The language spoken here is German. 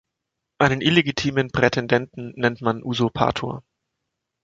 Einen illegitimen Prätendenten nennt man "Usurpator".